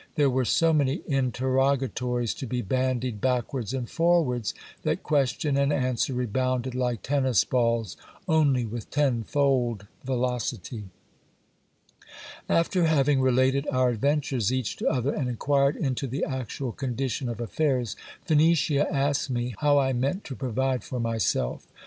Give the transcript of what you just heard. There were so many in terrogatories to be bandied backwards and forwards, that question and answer rebounded like tennis balls, only with tenfold velocity. After having related our adventures each to other, and inquired into the actual condition of affairs, Phenicia asked me how I meant to provide for myself.